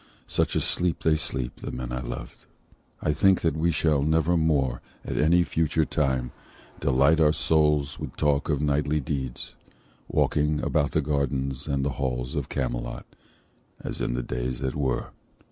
Such a sleep They sleep—the men I loved. I think that we Shall never more, at any future time, Delight our souls with talk of knightly deeds, Walking about the gardens and the halls Of Camelot, as in the days that were.